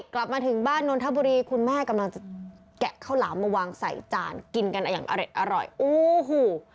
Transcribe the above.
กลับมาถึงบ้านนนทบุรีคุณแม่กำลังจะแกะข้าวหลามมาวางใส่จานกินกันอย่างอร็ดอร่อยโอ้โห